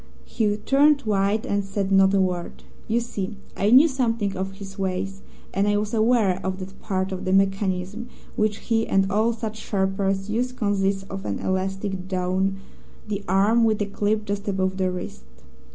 "He turned white and said not a word. You see, I knew something of his ways, and I was aware of that part of the mechanism which he and all such sharpers use consists of an elastic down the arm with a clip just above the wrist.